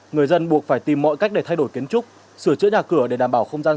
người dân buộc phải tìm mọi cách để thay đổi kiến trúc sửa chữa nhà cửa để đảm bảo không gian xanh